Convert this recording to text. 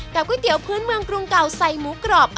แต่ก๋วยเตี๋ยวพื้นเมืองกรุงเก่าใส่หมูกรอบ